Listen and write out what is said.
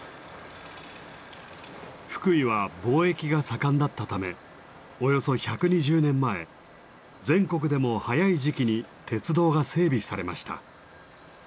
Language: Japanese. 福井は貿易が盛んだったためおよそ１２０年前全国でも早い時期に鉄道が整備されました。